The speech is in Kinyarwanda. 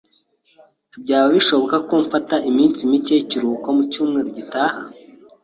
Byaba bishoboka ko mfata iminsi mike y'ikiruhuko mu cyumweru gitaha?